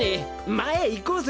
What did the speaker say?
前行こうぜ。